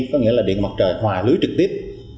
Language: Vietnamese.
có nghĩa là điện mặt trời hòa lưới trực tiếp